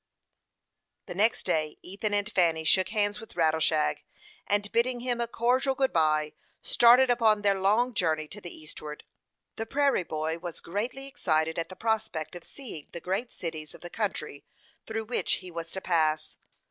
The next day Ethan and Fanny shook hands with Rattleshag, and bidding him a cordial good by, started upon their long journey to the eastward. The prairie boy was greatly excited at the prospect of seeing the great cities of the country through which he was to pass.